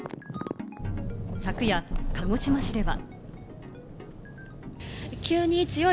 昨夜、鹿児島市では。